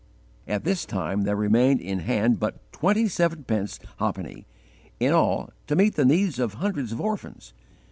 At this time there remained in hand but twenty seven pence ha'penny, in all, to meet the needs of hundreds of orphans.